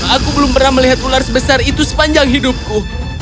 aku belum pernah melihat ular sebesar itu sepanjang hidupku